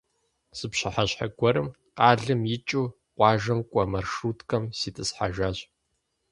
Зы пщыхьэщхьэ гуэрым къалэм икӀыу къуажэм кӀуэ маршруткэм ситӀысхьэжащ.